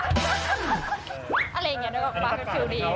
อะไรอย่างงี้ด้วยกว่าความคิวดี